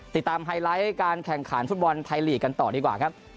ไฮไลท์การแข่งขันฟุตบอลไทยลีกกันต่อดีกว่าครับ